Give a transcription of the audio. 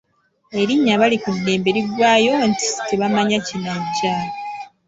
Erinnya Balikuddembe liggwayo nti Tebamanya kinajja.